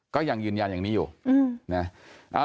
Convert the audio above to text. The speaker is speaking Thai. ก็ยังยืนยันอย่างนี้อยู่นะ